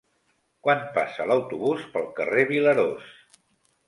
Quan passa l'autobús pel carrer Vilarós?